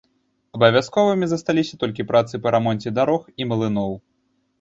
Абавязковымі заставаліся толькі працы па рамонце дарог і млыноў.